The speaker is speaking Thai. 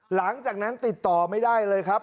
หลังจากนั้นติดต่อไม่ได้เลยครับ